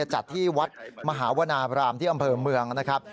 จัดที่วัดมหาวนาบรามที่อำเภอเมืองนะครับ